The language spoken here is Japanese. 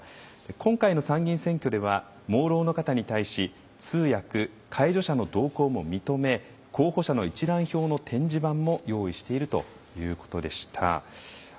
「今回の参議院選挙では盲ろうの方に対し通訳・介助者の同行も認め候補者の一覧表の点字版も用意している」ということでした。